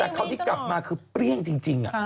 แต่ของเขาที่กลับมาคือเปรี้ยงจริงอ่ะ